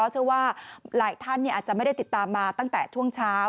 เชื่อว่าหลายท่านอาจจะไม่ได้ติดตามมาตั้งแต่ช่วงเช้า